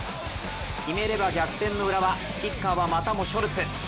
決めれば逆転の浦和キッカーはまたもショルツ。